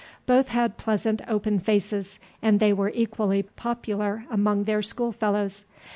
Both had pleasant open faces, and they were equally popular among their school fellows.